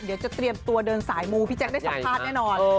เดี๋ยวจะเตรียมตัวเดินสายมูพี่แจ๊คได้สัมภาษณ์แน่นอน